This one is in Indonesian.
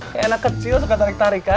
kayak anak kecil suka tarik tarikan